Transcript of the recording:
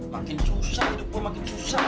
makin susah hidup gue makin susah